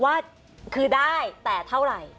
ว่าคือได้แต่เท่าไหร่